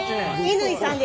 乾さん